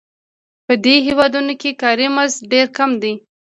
په دې هېوادونو کې کاري مزد ډېر کم دی